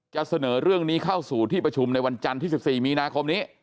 จะเสนอเรื่องนี้เข้าสู่ที่ประชุมในวันจันทร์ที่๑๔มีนาคมนี้